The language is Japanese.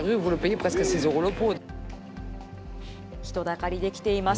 人だかり出来ています。